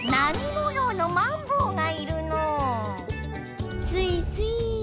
もようのマンボウがいるのうすいすい。